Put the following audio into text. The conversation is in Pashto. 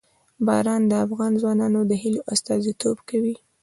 باران د افغان ځوانانو د هیلو استازیتوب کوي.